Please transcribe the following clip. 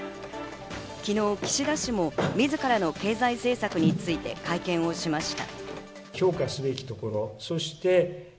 昨日、岸田氏も自らの経済政策について会見をしました。